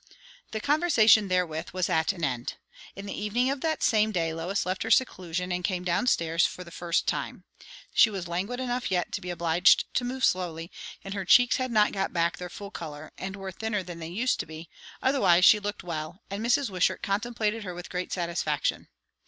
The conversation therewith was at an end. In the evening of that same day Lois left her seclusion and came down stairs for the first time. She was languid enough yet to be obliged to move slowly, and her cheeks had not got back their full colour, and were thinner than they used to be; otherwise she looked well, and Mrs. Wishart contemplated her with great satisfaction.